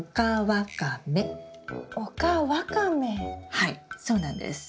はいそうなんです。